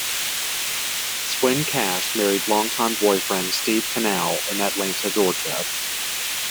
Swin Cash married longtime boyfriend Steve Canal in Atlanta, Georgia.